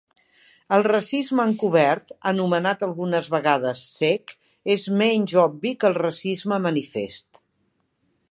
El racisme encobert, anomenat algunes vegades racisme "ceg", és menys obvi que el racisme manifest.